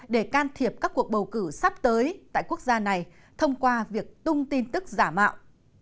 để can thiệp các cuộc bầu cử sắp tới tại quốc gia này thông qua việc tung tin tức giả mạo